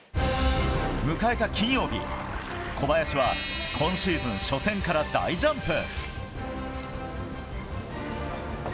迎えた金曜日、小林は、今シーズン初戦から大ジャンプ。